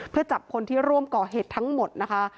เพื่อจับคนที่ร่วมก่อเหตุทั้งหมดนะคะ